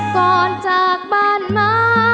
ก่อนจากบ้านมา